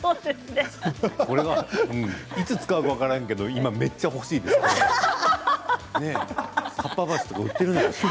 いつ使うか分からないけどめっちゃ欲しいですね。